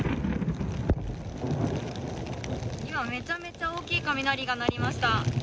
今、めちゃめちゃ大きい雷が鳴りました。